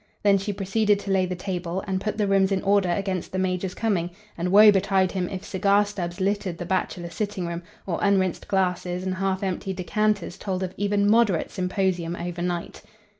Then she proceeded to lay the table, and put the rooms in order against the major's coming, and woe betide him if cigar stubs littered the bachelor sittingroom or unrinsed glasses and half empty decanters told of even moderate symposium over night.